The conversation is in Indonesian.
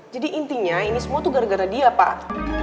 jadi intinya ini semua itu gara gara dia pak